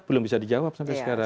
belum bisa dijawab sampai sekarang